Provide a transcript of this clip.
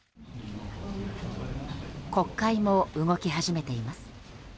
国会も動き始めています。